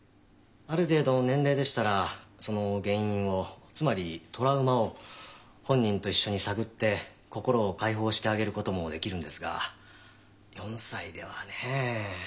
ある程度の年齢でしたらその原因をつまりトラウマを本人と一緒に探って心を解放してあげることもできるんですが４歳ではね。